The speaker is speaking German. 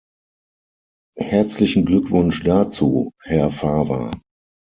Herzlichen Glückwunsch dazu, Herr Fava.